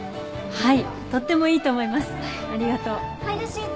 はい。